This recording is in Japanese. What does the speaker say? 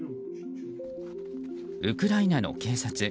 ウクライナの警察。